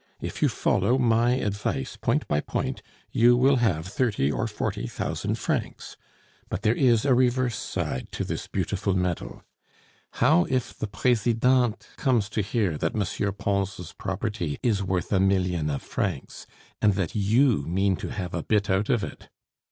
If you follow my advice point by point, you will have thirty or forty thousand francs. But there is a reverse side to this beautiful medal. How if the Presidente comes to hear that M. Pons' property is worth a million of francs, and that you mean to have a bit out of it?